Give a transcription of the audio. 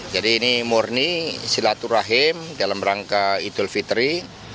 jadi ini murni silaturahim dalam rangka itul fitri